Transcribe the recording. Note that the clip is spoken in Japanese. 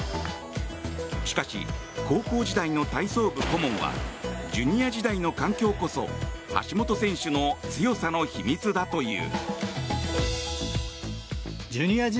しかし、高校時代の体操部顧問はジュニア時代の環境こそ橋本選手の強さの秘密だという。